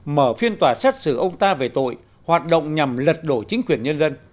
mở phiên tòa xét xử ông ta về tội hoạt động nhằm lật đổ chính quyền nhân dân